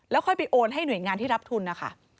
ค่อยไปโอนให้หน่วยงานที่รับทุนนะคะ